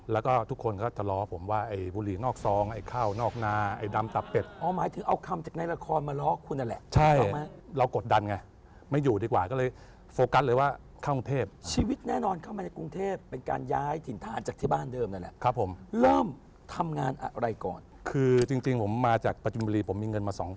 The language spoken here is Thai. แล้วก็ทุกคนก็จะล้อผมว่าไอ้บุหรี่นอกซอง